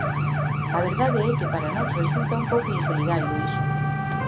A verdade é que para nós resulta un pouco insolidario iso.